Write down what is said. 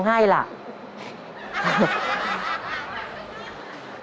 เทวดาประจำเมืองให้ล่ะ